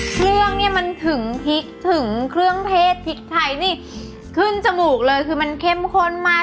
เครื่องเนี่ยมันถึงพริกถึงเครื่องเทศพริกไทยนี่ขึ้นจมูกเลยคือมันเข้มข้นมาก